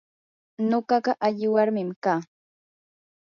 nuqaqa alli warmim kaa.